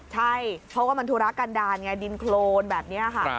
ใช่เพราะว่ามันธุระกันดาลไงดินโครนแบบนี้ค่ะ